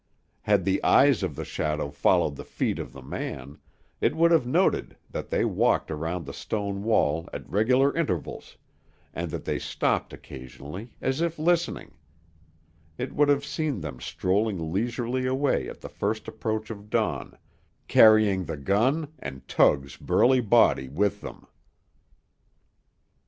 Had the eyes of the shadow followed the feet of the man, it would have noted that they walked around the stone wall at regular intervals, and that they stopped occasionally, as if listening; it would have seen them strolling leisurely away at the first approach of dawn, carrying the gun and Tug's burly body with them.